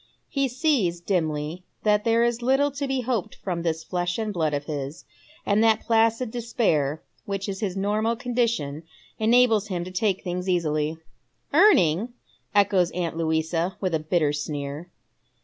He sees, dimly, that there is little to be hoped from this flesh and blood of his, and that placid despair which is his normal condition enables him to take things easily. "Earning!" echoes aunt Louisa with a bitter sneer.